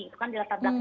itu kan dilatar lataran